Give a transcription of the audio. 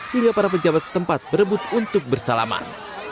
hingga para pejabat setempat berebut untuk bersalaman